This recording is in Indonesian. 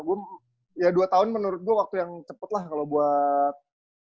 gua ya dua tahun menurut gua waktu yang cepet lah kalo buat